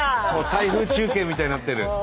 台風中継みたいになってる。